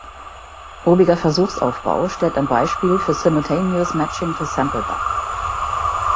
Obiger Versuchsaufbau stellt ein Beispiel für "simultaneous matching-to-sample" dar.